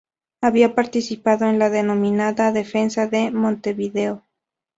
Había participado de la denominada defensa de Montevideo.